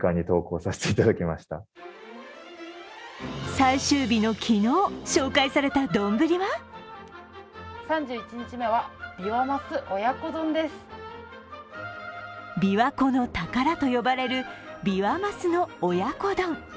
最終日の昨日、紹介された丼は琵琶湖の宝と呼ばれるビワマスの親子丼。